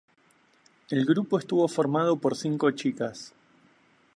El grupo estuvo formado por cinco chicas.